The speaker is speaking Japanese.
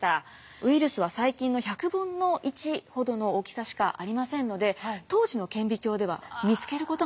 ウイルスは細菌の１００分の１ほどの大きさしかありませんので当時の顕微鏡では見つけることができなかったんですね。